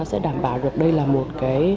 sẽ đảm bảo được đây là một khó khăn